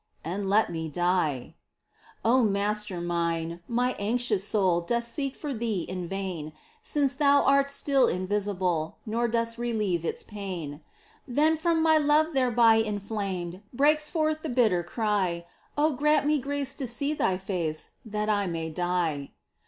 And let me die ! O Master mine ! My anxious soul Doth seek for Thee in vain. Since Thou art still invisible, Nor dost relieve its pain. POEMS. 15 Then from my love thereby inflamed Breaks forth the bitter cry — Oh grant me grace to see Thy face, That I may die